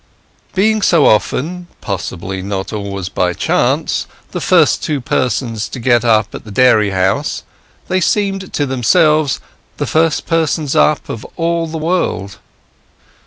Being so often—possibly not always by chance—the first two persons to get up at the dairy house, they seemed to themselves the first persons up of all the world.